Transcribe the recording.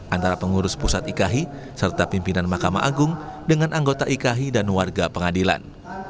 antara pengurus pusat ikahi serta pimpinan mahkamah agung dengan anggota ikai dan warga pengadilan